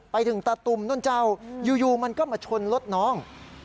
ไปถึงตะตุ่มนู่นเจ้าอยู่มันก็มาชนรถน้อง